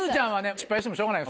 失敗してもしょうがない